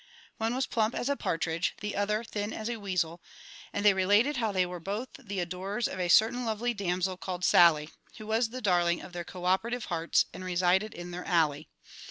One was plump as a partridge; the other thin as a weasel; and they related how they were both the adorers of a certain lovely damsel called "SALLY," who was the darling of their co operative hearts, and resided in their Alley.